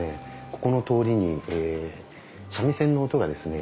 ここの通りに三味線の音がですね